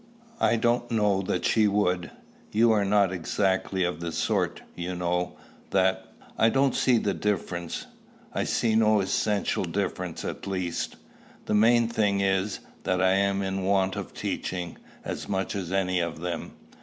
"I don't know that she would. You are not exactly of the sort, you know that" "I don't see the difference. I see no essential difference, at least. The main thing is, that I am in want of teaching, as much as any of them.